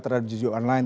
terhadap jujur online